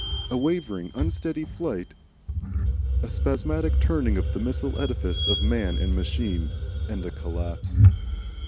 a wavering unsteady flight, a spasmodic turning of the missile edifice of man and machine, and a collapse.